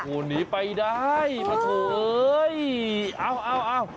โอ้หนีไปได้มาเถอะเอ้ย